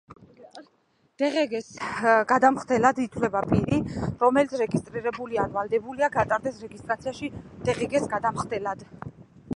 დღგ-ს გადამხდელად ითვლება პირი, რომელიც რეგისტრირებულია ან ვალდებულია გატარდეს რეგისტრაციაში დღგ-ს გადამხდელად.